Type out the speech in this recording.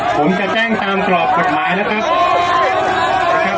ผมจะแจ้งตามกรอบกฎหมายนะครับ